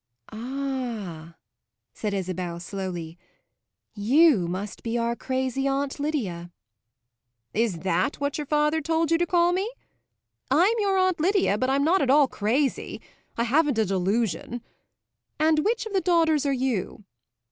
"Ah," said Isabel slowly, "you must be our crazy Aunt Lydia!" "Is that what your father told you to call me? I'm your Aunt Lydia, but I'm not at all crazy: I haven't a delusion! And which of the daughters are you?"